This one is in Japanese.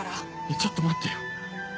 ちょっと待ってよ。